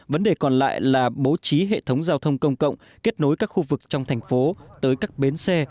vấn đề còn lại là bố trí hệ thống giao thông công cộng kết nối các khu vực trong thành phố tới các bến xe